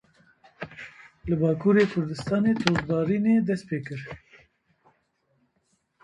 Li Bakurê Kurdistanê tozbarînê dest pê kir.